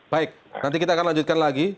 baik nanti kita akan lanjutkan lagi